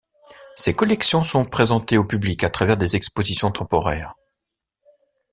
Ces collections sont présentées au public à travers des expositions temporaires.